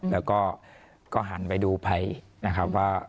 แล้วก็หันไปดูภัยนะครับว่า